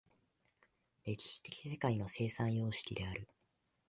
歴史的世界の生産様式である。